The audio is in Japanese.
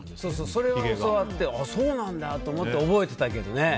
それは教わってそうなんだと思って覚えてたけど。